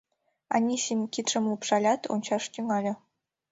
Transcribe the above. Анисим кидшым лупшалят, ончаш тӱҥале.